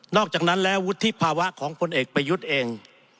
อกจากนั้นแล้ววุฒิภาวะของพลเอกประยุทธ์เอง